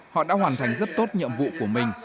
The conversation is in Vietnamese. họ đã hoàn thành rất tốt nhiệm vụ của mình